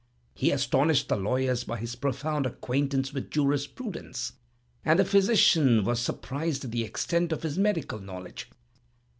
He astonished the lawyer by his profound acquaintance with jurisprudence; and the physician was surprised at the extent of his medical knowledge.